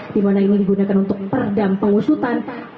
dimana ini digunakan untuk perdam pengusutan